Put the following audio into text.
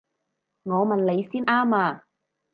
我問你先啱啊！